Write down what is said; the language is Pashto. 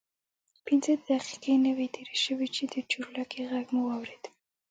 پنځه دقیقې نه وې تېرې شوې چې د چورلکې غږ مو واورېد.